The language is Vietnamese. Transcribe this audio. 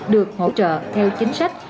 được hỗ trợ theo chính sách